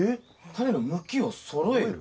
タネの向きをそろえる？